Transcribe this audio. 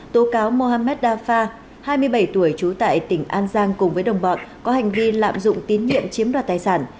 tố cáo mohamed dafar hai mươi bảy tuổi trú tại tỉnh an giang cùng với đồng bọn có hành vi lạm dụng tín nhiệm chiếm đoạt tài sản